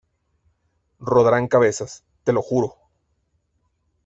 Rodarán cabezas, ¡te lo juro!